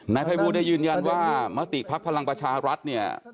นายพระอาจารย์ได้ยืนยันว่ามติภักษ์พลังประชารัฐเนี่ย